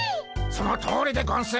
そのとおりでゴンス。